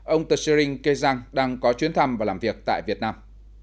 ông tashirin kezang đang có chuyến thăm và làm việc tại việt nam